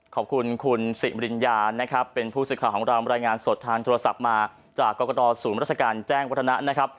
ขอบคุณคุณสิริญญานะครับเป็นผู้สื่อข่าวของเรารายงานสดทางโทรศัพท์มาจากกรกตศูนย์ราชการแจ้งวัฒนะนะครับ